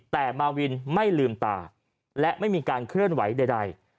แต่มาวินไม่ลืมตาและไม่มีการเคลื่อนไหวใด